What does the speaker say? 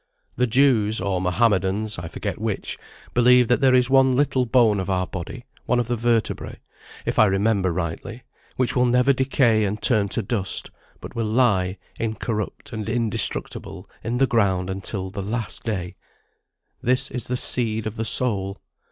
The Jews, or Mohammedans (I forget which), believe that there is one little bone of our body, one of the vertebræ, if I remember rightly, which will never decay and turn to dust, but will lie incorrupt and indestructible in the ground until the Last Day: this is the Seed of the Soul.